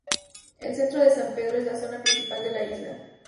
El centro de San Pedro es la zona principal de la isla.